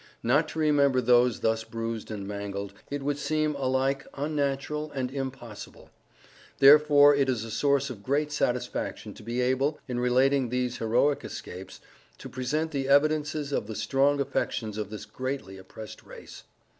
Not to remember those thus bruised and mangled, it would seem alike unnatural, and impossible. Therefore it is a source of great satisfaction to be able, in relating these heroic escapes, to present the evidences of the strong affections of this greatly oppressed race.